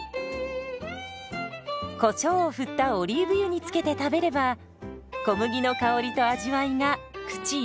こしょうを振ったオリーブ油につけて食べれば小麦の香りと味わいが口いっぱい！